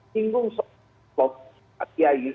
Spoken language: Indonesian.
singgung soal pak kiai